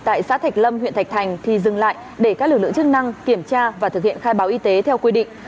tại xã thạch lâm huyện thạch thành thì dừng lại để các lực lượng chức năng kiểm tra và thực hiện khai báo y tế theo quy định